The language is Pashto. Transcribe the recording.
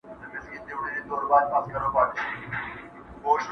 • چي سیالي وي د قلم خو نه د تورو..